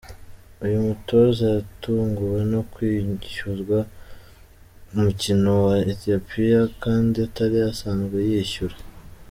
Uyu mutoza yatunguwe no kwishyuzwa ku mukino wa Ethiopia kandi atari asanzwe yishyura